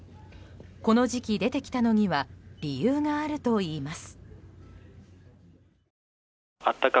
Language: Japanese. この時期出てきたのには理由があるといいます。